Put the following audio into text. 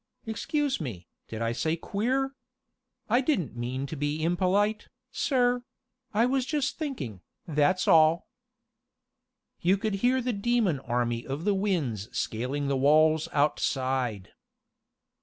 "Excuse me, did I say queer? I didn't mean to be impolite, sir I was just thinking, that's all." You could hear the demon Army of the Winds scaling the walls outside.